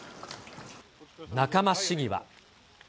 仲間市議は。